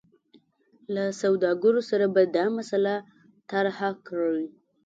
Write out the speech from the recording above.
له سوداګرو سره به دا مسله طرحه کړي.